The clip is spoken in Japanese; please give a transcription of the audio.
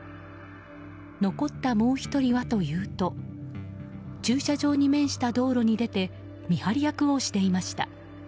残ったもう１人はというと駐車場に面した道路に出て見張り役をしていました。